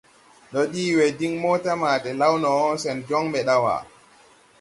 Ndo dii we din mota ma de law no, sen joŋ mbɛ dawa.